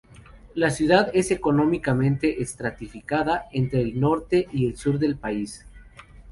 La ciudad es económicamente estratificada entre el norte y el sur del país.